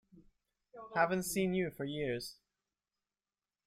Haven't seen you for years.